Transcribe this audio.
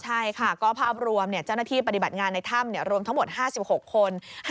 ใช่ค่ะก็ภาพรวมเจ้าหน้าที่ปฏิบัติงานในถ้ำรวมทั้งหมด๕๖คน